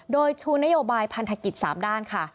โดยชูนโยบายพันธกิจ๓ด้านค่ะ